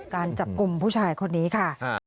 การจับกลุ่มผู้ชายคนนี้ค่ะ